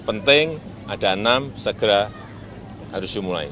penting ada enam segera harus dimulai